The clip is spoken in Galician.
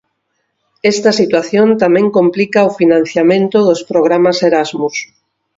Esta situación tamén complica o financiamento dos programas Erasmus.